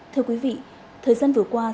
thưa quý vị thời gian vừa qua